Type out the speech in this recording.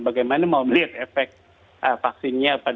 bagaimana mau melihat efek vaksinnya